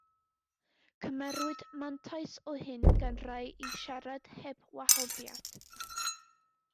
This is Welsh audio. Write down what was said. Cymerwyd mantais o hyn gan rai i siarad heb wahoddiad.